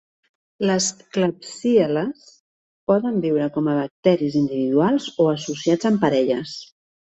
Les klebsiel·les poden viure com a bacteris individuals o associats en parelles.